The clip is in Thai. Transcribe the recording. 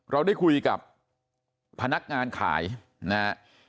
เราได้คุยกับพนักงานขายนะฮะ